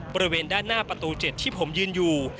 บริเวณด้านหน้าประตู๗ที่ผมยืนอยู่